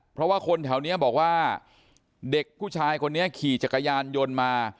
เพราะว่าคนแถวนี้บอกว่าเด็กผู้ชายคนนี้ขี่จักรยานยนต์มา